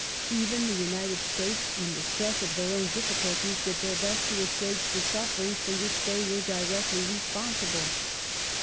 Even the United States, in the stress of their own difficulties, did their best to assuage the suffering for which they were directly re sponsible.